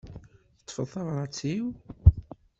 Teṭṭfeḍ tabrat-iw?